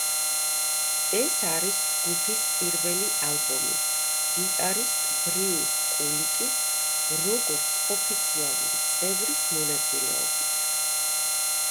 ეს არის ჯგუფის პირველი ალბომი გიტარისტ ბრიუს კულიკის, როგორც ოფიციალური წევრის მონაწილეობით.